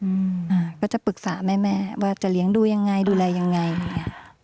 อืมอ่าก็จะปรึกษาแม่แม่ว่าจะเลี้ยงดูยังไงดูแลยังไงอย่างเงี้ย